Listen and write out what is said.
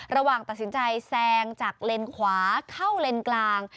ตัดสินใจแซงจากเลนขวาเข้าเลนกลาง